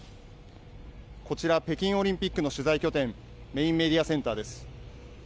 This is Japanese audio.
こちら、北京オリンピックの取材拠点、メインメディアセンターです。